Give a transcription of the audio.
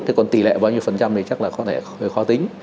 thế còn tỷ lệ bao nhiêu phần trăm thì chắc là có thể khó tính